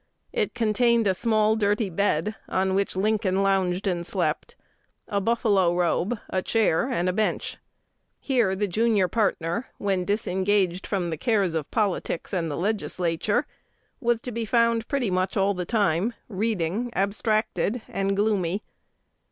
It contained "a small dirty bed," on which Lincoln lounged and slept, a buffalo robe, a chair, and a bench. Here the junior partner, when disengaged from the cares of politics and the Legislature, was to be found pretty much all the time, "reading, abstracted and gloomy."